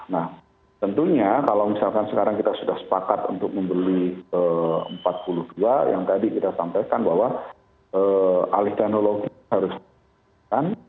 nah tentunya kalau misalkan sekarang kita sudah sepakat untuk membeli empat puluh dua yang tadi kita sampaikan bahwa alih teknologi harus diberikan